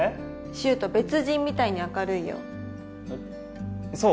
柊人別人みたいに明るいよえっそう？